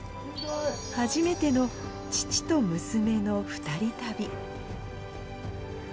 初めての父と娘の２人旅。